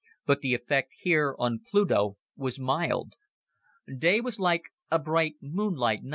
But the effect here on Pluto was mild. Day was like a bright, moonlight night.